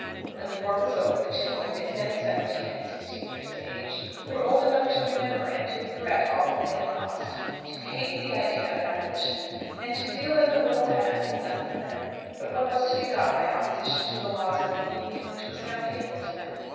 When the war was over the two boys, then seventeen and sixteen years of age, were old enough to remember and to regret all that they had lost, to hate the idea of Abolition, and to feel that the world had nothing left for them but what was to be got by opposition to the laws of the Union, which was now hateful to them.